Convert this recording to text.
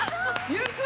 ゆっくり！